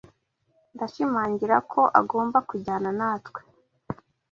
Ndashimangira ko agomba kujyana natwe.